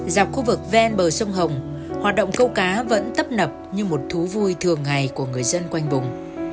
dọc khu vực ven bờ sông hồng hoạt động câu cá vẫn tấp nập như một thú vui thường ngày của người dân quanh vùng